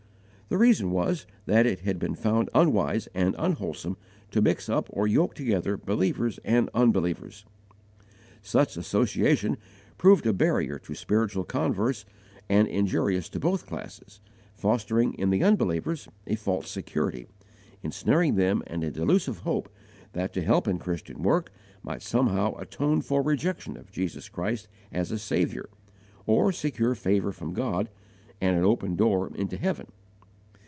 The reason was that it had been found unwise and unwholesome to mix up or yoke together believers and unbelievers.* Such association proved a barrier to spiritual converse and injurious to both classes, fostering in the unbelievers a false security, ensnaring them in a delusive hope that to help in Christian work might somehow atone for rejection of Jesus Christ as a Saviour, or secure favour from God and an open door into heaven.